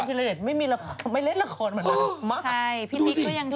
เคนธีระเดชไม่เล่นละครเหมือนกันพี่นิกก็ยังเล่นอยู่